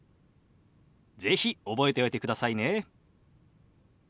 是非覚えておいてくださいね。